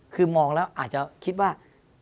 คือมองแล้วอาจจะคิดว่า